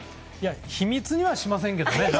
秘密にはしませんけどね